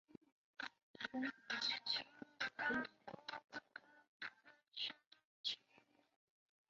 第一位于大宅居住的是战后首任财政司霍劳士。